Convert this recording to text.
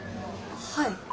はい。